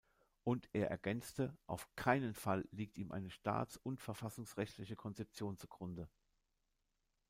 Und er ergänzte: „Auf keinen Fall liegt ihm eine staats- und verfassungsrechtliche Konzeption zugrunde.